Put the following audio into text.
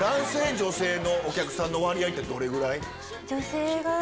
女性お客さんの割合ってどれぐらい？